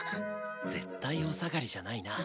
絶対お下がりじゃないな。